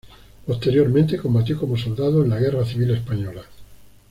Posteriormente combatió como soldado en la Guerra Civil Española.